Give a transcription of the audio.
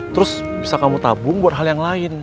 terus bisa kamu tabung buat hal yang lain